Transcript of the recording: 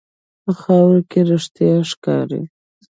په خاوره کې رښتیا ښکاري.